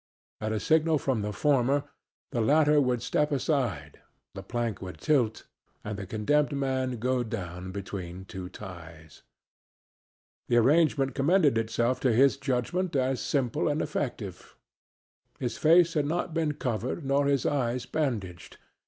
At a signal from the former the latter would step aside, the plank would tilt and the condemned man go down between two ties. The arrangement commended itself to his judgment as simple and effective. His face had not been covered nor his eyes bandaged.